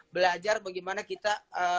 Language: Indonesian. belajar bagaimana kita